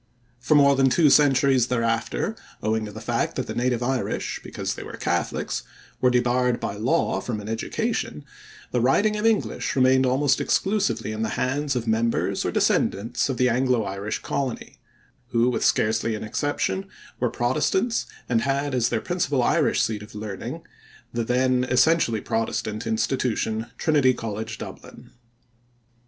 For more than two centuries thereafter, owing to the fact that the native Irish, because they were Catholics, were debarred by law from an education, the writing of English remained almost exclusively in the hands of members or descendants of the Anglo Irish colony, who, with scarcely an exception, were Protestants and had as their principal Irish seat of learning the then essentially Protestant institution, Trinity College, Dublin.